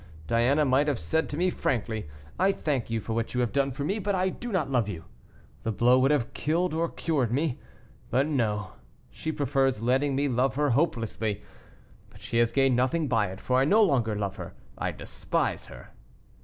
Diana might have said to me frankly, 'I thank you for what you have done for me, but I do not love you.' The blow would have killed or cured me. But no; she prefers letting me love her hopelessly; but she has gained nothing by it, for I no longer love her, I despise her."